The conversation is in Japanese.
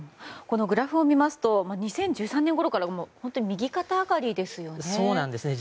グラフを見ますと２０１３年ごろから右肩上がりですよね。